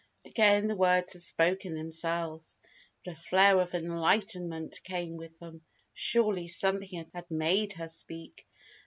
Again the words had spoken themselves, but a flare of enlightenment came with them. Surely something had made her speak.